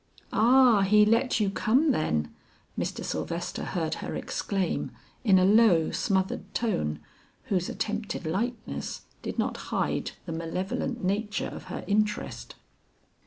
"Ah, he let you come then!" Mr. Sylvester heard her exclaim in a low smothered tone, whose attempted lightness did not hide the malevolent nature of her interest.